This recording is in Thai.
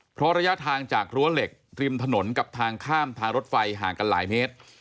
เพราะระยะทางจากรั้วเหล็กริมถนนกับทางข้ามทางรถไฟห่างกันหลายเมตร